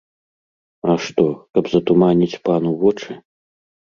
А што, каб затуманіць пану вочы?!